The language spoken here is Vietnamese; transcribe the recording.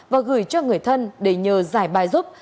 và gửi cho người thân để nhờ giải bài giúp